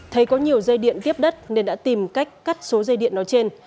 thấy có nhiều dây điện tiếp đất nên đã tìm cách cắt số dây điện nói trên